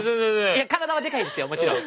いや体はでかいですよもちろん。